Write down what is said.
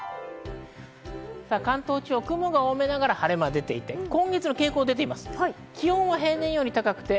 関東地方、雲が多めながら晴れ間が出ていて、今月の傾向が出ています。